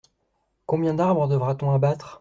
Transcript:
Combien d’arbres devra-t-on abattre ?